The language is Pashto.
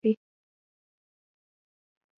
ټول انسانان کولای شي پر یوه حکم توافق وکړي.